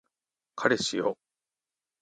彼氏よ